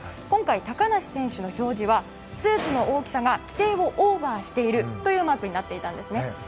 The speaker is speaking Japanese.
今回、高梨選手の表示はスーツの大きさが規定をオーバーしているというマークになっていたんですね。